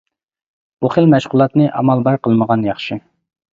بۇ خىل مەشغۇلاتنى ئامال بار قىلمىغان ياخشى.